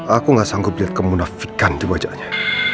aku gak sanggup liat kemunafikan di wajahnya